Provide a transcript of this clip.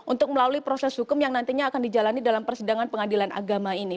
untuk melalui proses hukum yang nantinya akan dijalani dalam persidangan pengadilan agama ini